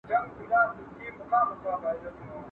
د کلال په کور کي روغه کوزه نسته.